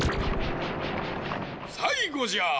さいごじゃ！